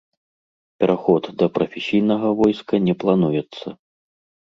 Пераход да прафесійнага войска не плануецца.